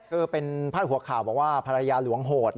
คือเป็นพาดหัวข่าวบอกว่าภรรยาหลวงโหด